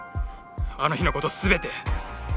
あの日の事全て。